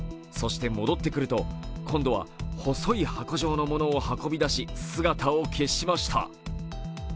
そして戻ってくると、今度は細い箱状のものを運び出し姿を消しました。